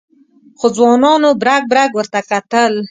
څو ځوانانو برګ برګ ورته کتل.